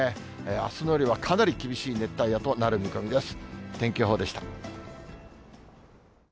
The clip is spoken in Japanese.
あすの夜はかなり厳しい熱帯夜となる見込みです。